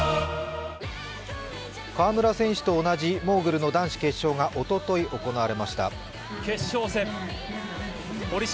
川村選手と同じモーグルの男子決勝がおととい行われました。